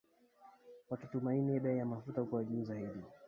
wakitumaini bei ya mafuta kuwa juu zaidi